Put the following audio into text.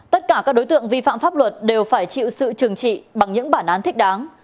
tất cả các đối tượng vi phạm pháp luật đều phải chịu sự trừng trị bằng những bản án thích đáng